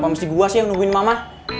apa mesti gua sih yang nungguin mama